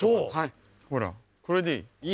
ほらこれでいい。